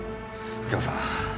右京さん